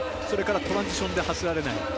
それからトランジションで走られない。